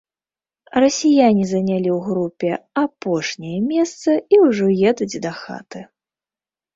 Расіяне занялі ў групе апошняе месца і ўжо едуць дахаты.